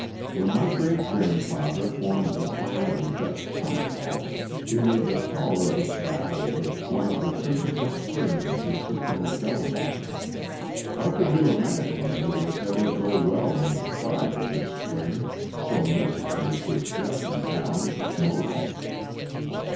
When my great grandfather formed the plan of the Dutch Commonwealth, he made the power of a Stadtholder one of the principal springs in his system of government. How could you imagine that it would ever go well when deprived of this spring, so necessary to adjust and balance its motions?